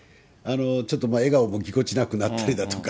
ちょっと笑顔もぎこちなくなったりだとか。